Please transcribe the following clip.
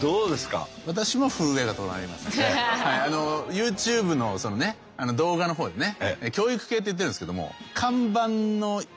ＹｏｕＴｕｂｅのその動画の方でね教育系と言ってるんですけども看板の威厳がかかりますから。